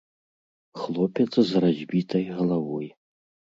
Хлопец з разбітай галавой.